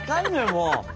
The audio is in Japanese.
もう。